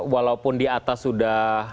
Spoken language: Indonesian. walaupun di atas sudah